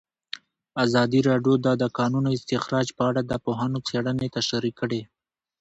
ازادي راډیو د د کانونو استخراج په اړه د پوهانو څېړنې تشریح کړې.